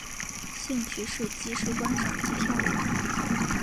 兴趣是即时观赏及跳舞。